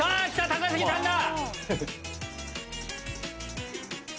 高杉さんだ。